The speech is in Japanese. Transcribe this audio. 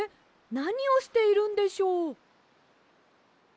なにをしているんでしょう？